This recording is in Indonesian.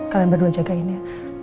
kalian berdua jagain ya